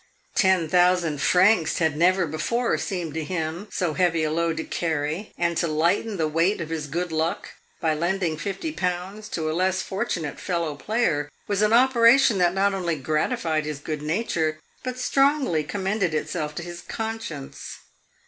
Ten thousand francs had never before seemed to him so heavy a load to carry, and to lighten the weight of his good luck by lending fifty pounds to a less fortunate fellow player was an operation that not only gratified his good nature but strongly commended itself to his conscience.